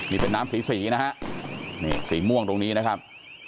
นี่เป็นน้ำสีสีนะฮะนี่สีม่วงตรงนี้นะครับ